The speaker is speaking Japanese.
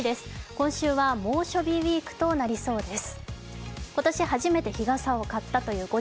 今週は猛暑日ウィークとなりそうです。